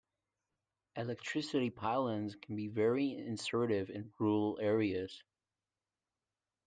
Electricity pylons can be very intrusive in rural areas